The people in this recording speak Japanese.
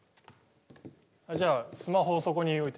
あっじゃあスマホそこに置いて。